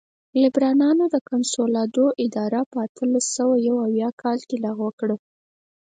لېبرالانو د کنسولاډو اداره په اتلس سوه یو اویا کال کې لغوه کړه.